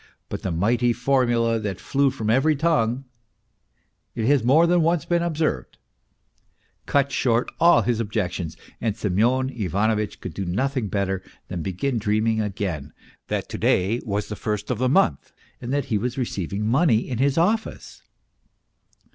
But the mighty formula that flew from every tongue " It has more than once been observed " cut short all his objections, and Semyon Ivano vitch could do nothing better than begin dreaming again that to day was the first of the month and that he was receiving money in his office.